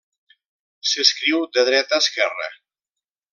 S'escriu de dreta a esquerra.